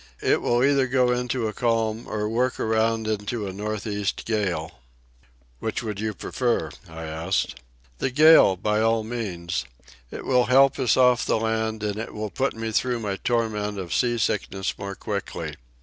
It will either go into a calm or work around into a north east gale." "Which would you prefer?" I asked. "The gale, by all means. It will help us off the land, and it will put me through my torment of sea sickness more quickly.